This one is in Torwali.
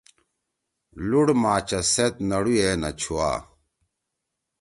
لُوڑ ماچس سیت نڑُوئے نہ چھوا۔